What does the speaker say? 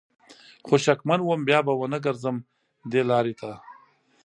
خو شکمن وم بیا به ونه ګرځم دې لار ته